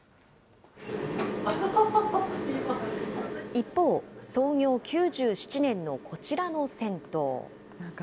一方、創業９７年のこちらの銭湯。